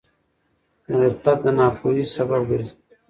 غفلت د ناپوهۍ سبب ګرځي.